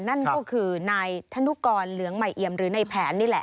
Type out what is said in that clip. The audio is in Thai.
นั่นก็คือนายธนุกรเหลืองใหม่เอียมหรือในแผนนี่แหละ